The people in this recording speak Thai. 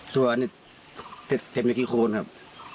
ตัวนี่เต็มอยู่ที่โคนครับ